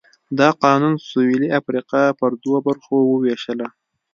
دا قانون سوېلي افریقا پر دوو برخو ووېشله.